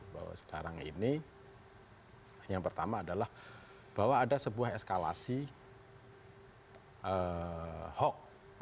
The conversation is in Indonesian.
bahwa sekarang ini yang pertama adalah bahwa ada sebuah eskalasi hoax